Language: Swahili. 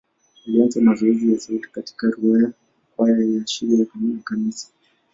Alianza mazoezi ya sauti katika kwaya ya shule na kanisa.